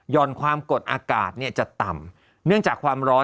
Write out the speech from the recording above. ่อนความกดอากาศจะต่ำเนื่องจากความร้อน